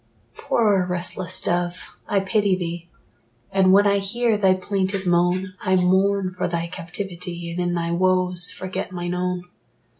Poor restless dove, I pity thee; And when I hear thy plaintive moan, I mourn for thy captivity, And in thy woes forget mine own.